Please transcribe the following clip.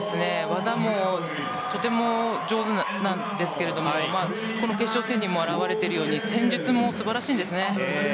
技もとても上手ですがこの決勝戦にも表れているように戦術も素晴らしいです。